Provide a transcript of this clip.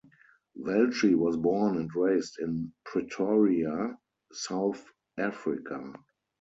Velshi was born and raised in Pretoria, South Africa.